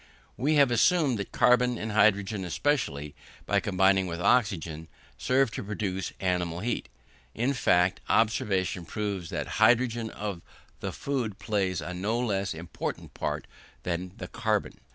We have assumed that carbon and hydrogen especially, by combining with oxygen, serve to produce animal heat. In fact, observation proves that the hydrogen of the food plays a no less important part than the carbon.